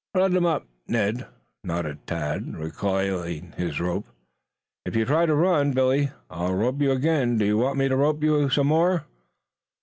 "Let him up, Ned," nodded Tad, recoiling his rope. "If you try to run, Billy, I'll rope you again. Do you want me to rope you some more?"